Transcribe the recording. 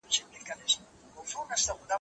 زه به اوږده موده د سوالونو جواب ورکړی وم؟!